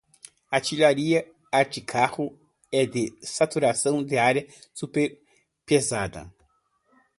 Artilharia anticarro e de saturação de área super-pesada